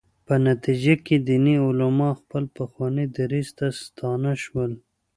په نتیجه کې دیني علما خپل پخواني دریځ ته ستانه شول.